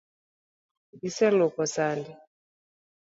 Iseluoko sande?